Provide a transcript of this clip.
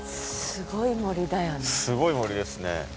すごい森ですね。